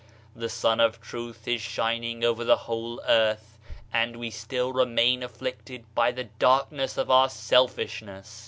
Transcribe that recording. The Sun of Truth is shining over the whole earth, and we still remain afflicted by the darkness of our selfishness.